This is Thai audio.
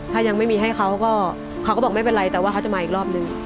ถ้ายังไม่มีให้เขาก็เขาก็บอกไม่เป็นไรแต่ว่าเขาจะมาอีกรอบนึง